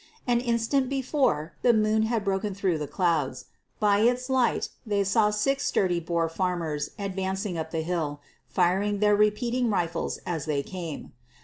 An instant before the moon had broken through the clouds. By its light they saw six sturdy Boer farmers advancing up the hill, firing their repeating rifles as they came.